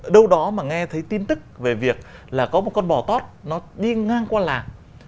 đâu đó mà nghe thấy tin tức về việc là có một con bò tót nó đi ngang qua làng